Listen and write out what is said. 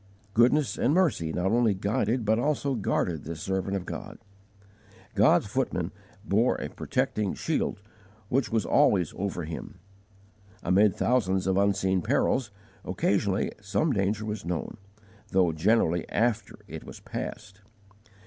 Goodness and mercy not only guided but also guarded this servant of God. God's footmen bore a protecting shield which was always over him. Amid thousands of unseen perils, occasionally some danger was known, though generally after it was passed.